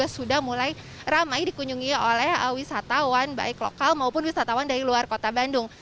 sudah mulai ramai dikunjungi oleh wisatawan baik lokal maupun wisatawan dari luar kota bandung